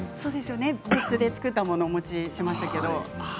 別室で作ったものをお持ちしましたけれど。